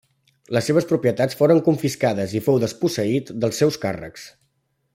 Les seves propietats foren confiscades i fou desposseït dels seus càrrecs.